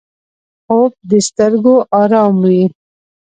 خوب د سترګو آراموي